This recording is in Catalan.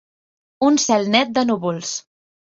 Un cel net de núvols.